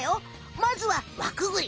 まずは輪くぐり！